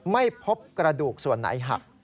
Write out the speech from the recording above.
ไม่พบกระดูกส่วนไหนหัก